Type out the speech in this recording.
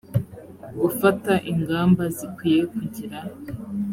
gufata ingamba zikwiye kugira